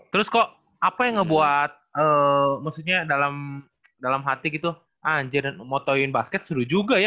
terus kok apa yang ngebuat maksudnya dalam hati gitu anjir motoin basket seru juga ya